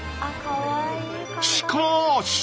しかぁし！